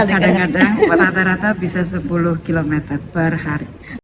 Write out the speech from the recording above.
kadang kadang rata rata bisa sepuluh km per hari